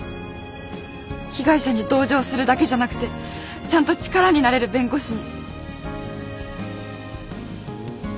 被害者に同情するだけじゃなくてちゃんと力になれる弁護士に。